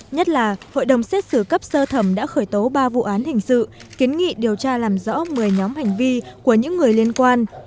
nhất là hội đồng xét xử cấp sơ thẩm đã khởi tố ba vụ án hình sự kiến nghị điều tra làm rõ một mươi nhóm hành vi của những người liên quan